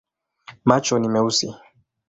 Macho ni meusi.